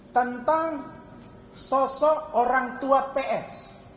tentang sosok orang tua ps